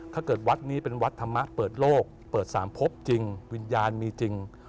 ถ้าเกิดวัดนี้เป็นวัดธรรมะเปิดโลกเปิดสามพบจริงวิญญาณมีจริง